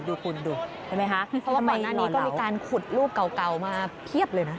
ดูคุณดูใช่ไหมคะเพราะว่าก่อนหน้านี้ก็มีการขุดรูปเก่ามาเพียบเลยนะ